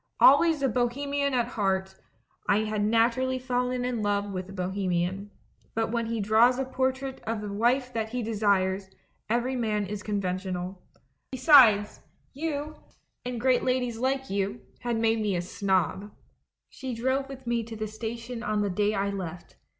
Always a bo hemian at heart, I had naturally fallen in love with a bohemian; but when he draws a portrait of the wife that he desires, every man is conven tional. Besides, you, and great ladies like you, had made me a snob. She drove with me to the station on the day I left.